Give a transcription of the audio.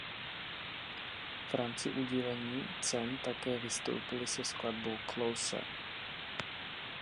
V rámci udílení cen také vystoupily se skladbou "Closer".